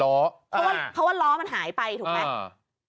เพราะว่าล้อมันหายไปถูกไหม